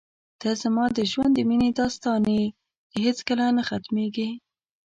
ته زما د ژوند د مینې داستان یې چې هېڅکله نه ختمېږي.